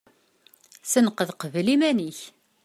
Senqed qbel iman-ik.